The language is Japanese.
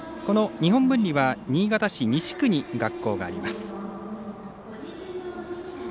日本文理は新潟県西区に学校があります。